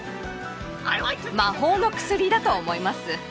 魔法の薬だと思います。